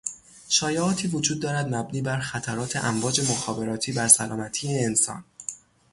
شایعاتی وجود دارد مبنی بر خطرات امواج مخابراتی بر سلامتی انسان